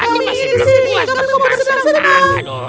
kami ingin di sini kami mau bersenang senang